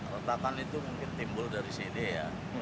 retakan itu mungkin timbul dari cd ya